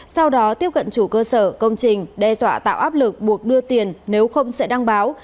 sau đó tiếp cận chủ cơ sở công trình đe dọa tạo áp lực buộc đưa tiền nếu không sẽ đăng báo